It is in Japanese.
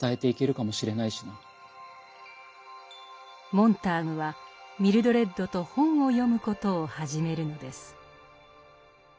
モンターグはミルドレッドと本を読むことを始めるのです。